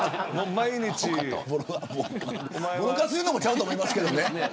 ぼろかす言うのもちゃうと思いますけどね。